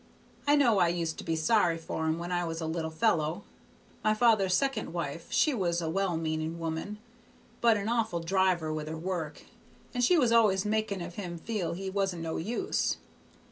I know I used to be sorry for him when I was a little fellow. My father's second wife she was a well meaning woman, but an awful driver with her work, and she was always making of him feel he wasn't no use.